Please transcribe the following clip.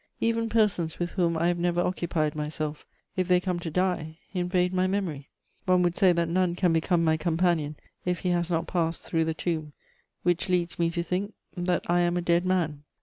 Even persons with whom I have never occupied myself, if they come to die, invade my memory: one would say that none can become my companion if he has not passed through the tomb, which leads me to think that I am a dead man.